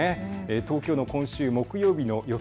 東京、今週木曜日の予想